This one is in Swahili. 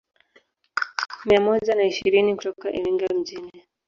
Mia moja na ishirini kutoka Iringa mjini